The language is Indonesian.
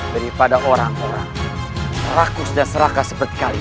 daripada orang orang rakus dan seraka seperti kali